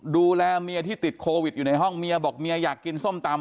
ดูแลเมียที่ติดโควิดอยู่ในห้องเมียบอกเมียอยากกินส้มตำ